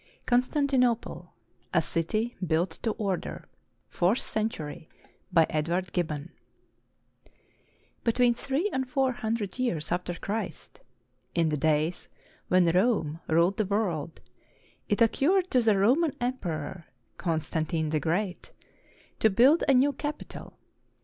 CONSTANTINOPLE, A CITY BUILT TO ORDER [Fourth century] BY EDWARD GIBBON [Between three and four hundred years after Christ, in the days when Rome ruled the world, it occurred to the Roman Emperor, Constantine the Great, to build a new capital.